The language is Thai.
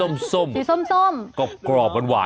มิชุนา